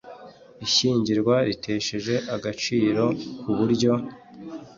ishyingirwa riteshejwe agaciro ku buryo